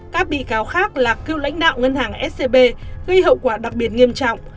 các bị cáo khác là cựu lãnh đạo ngân hàng scb gây hậu quả đặc biệt nghiêm trọng